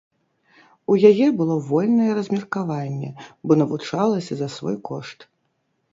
У яе было вольнае размеркаванне, бо навучалася за свой кошт.